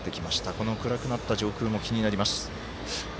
この暗くなった上空も気になります。